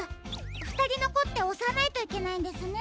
ふたりのこっておさないといけないんですね。